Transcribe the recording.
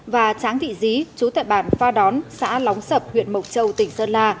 và tráng thị dí chú tại bản pha đón xã lóng sập huyện mộc châu tỉnh sơn la